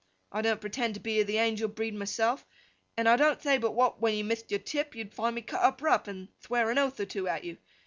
I don't pretend to be of the angel breed myself, and I don't thay but what, when you mith'd your tip, you'd find me cut up rough, and thwear an oath or two at you.